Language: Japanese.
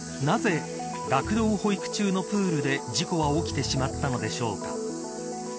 なぜ学童保育中のプールで事故は起きてしまったのでしょうか。